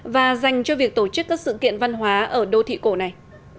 và dành cho việc tổ chức các sự kiện văn hóa ở đô thị cổ này